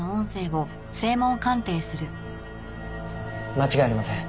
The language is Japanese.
間違いありません。